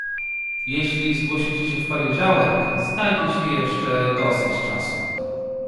"Jeśli zgłosicie się w poniedziałek, znajdzie się jeszcze dosyć czasu."